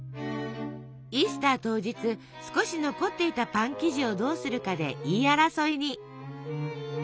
イースター当日少し残っていたパン生地をどうするかで言い争いに。